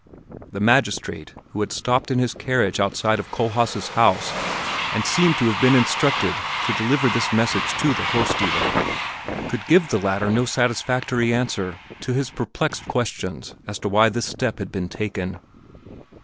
The magistrate, who had stopped in his carriage outside of Kohlhaas' house and seemed to have been instructed to deliver this message to the horse dealer, could give the latter no satisfactory answer to his perplexed question as to why this step had been taken.